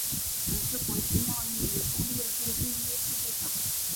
曾是国际贸易与工业部第一副部长。